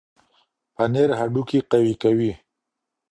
پنیر هډوکي قوي کوي.